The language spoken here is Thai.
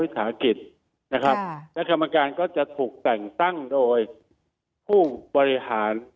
สาหกิจนะครับและกรรมการก็จะถูกแต่งตั้งโดยผู้บริหาร